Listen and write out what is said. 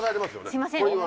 すいません。